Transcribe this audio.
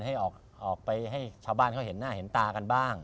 ให้ออกไปให้ชาวบ้านเขาเห็นหน้าเห็นตากันบ้าง